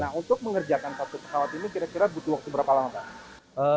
nah untuk mengerjakan satu pesawat ini kira kira butuh waktu berapa lama pak